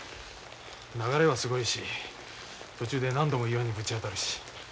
流れはすごいし途中で何度も岩にぶち当たるし。